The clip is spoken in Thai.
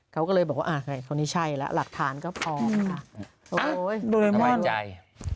เขาก็เลยบอกว่าอ่าเฮ้ยคนนี้ใช่แล้วหลักฐานก็พอค่ะโอ้ย